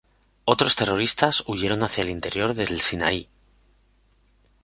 Otros terroristas huyeron hacia el interior del Sinaí.